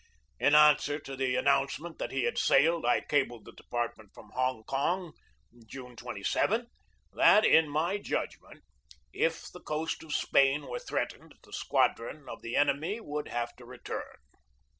In answer to the announcement that he had sailed I cabled the department from Hong Kong, June 27, that in my judgment "if the coast of Spain were threatened the squadron of the enemy would have to return."